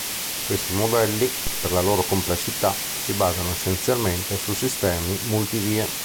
Questi modelli, per la loro complessità, si basano essenzialmente su sistemi multi vie.